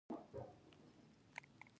تحلیلونه سطحي پاتې دي.